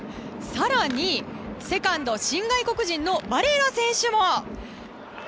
更にセカンド新外国人のバレラ選手も。